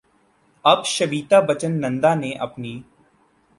اب شویتا بچن نندا نے اپنی